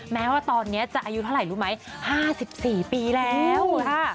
แม้ว่าตอนนี้จะอายุเท่าไหร่รู้ไหม๕๔ปีแล้ว